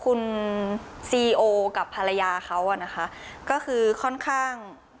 คุณซีโอกับภรรยาเขาอ่ะนะคะก็คือค่อนข้าง